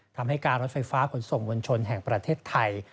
ทำให้การรถไฟฟ้าขนส่งมวลชนแห่งประเทศไทย